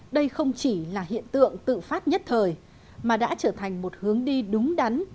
đây không chỉ là hiện tượng tự phát nhất thời mà đã trở thành một hướng đi đúng đắn